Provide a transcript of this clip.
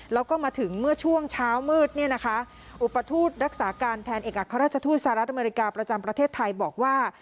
แล้วก็มาถึงเมื่อช่วงเช้ามืดเนี่ยนะคะอุปทูตรักษาการแทนเอกอัครราชทูตสหรัฐอเมริกาประจำประเทศไทยบอกว่า